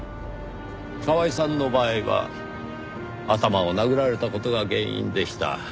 カワエさんの場合は頭を殴られた事が原因でした。